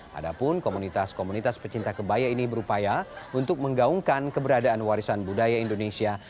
padahal komunitas komunitas pecinta kebaya ini berupaya untuk menggaungkan keberadaan warisan budaya indonesia